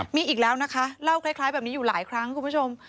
มีอีกแล้วนะคะเล่าคล้ายแบบนี้อยู่หลายครั้งคุณผู้ชม